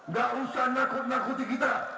gak usah nakut nakuti kita